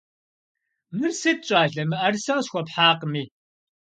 Мыр сыт, щӀалэ, мыӀэрысэ къысхуэпхьакъыми?